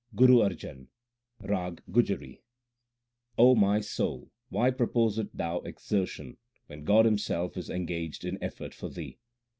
GURU ARJAN, RAG GujARi 2 O my soul, why proposest thou exertion 3 when God Himself is engaged in effort for thee